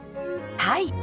はい。